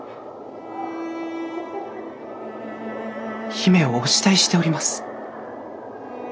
姫をお慕いしております。